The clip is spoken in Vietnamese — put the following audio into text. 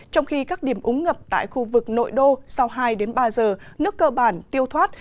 trong khi các điểm úng ngập tại khu vực nội đô sau hai ba giờ nước cơ bản tiêu thoát